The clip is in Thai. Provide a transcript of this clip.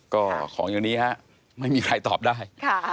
ก็ของอย่างนี้ฮะไม่มีใครตอบได้